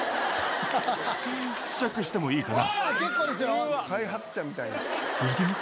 試着してもいいかな？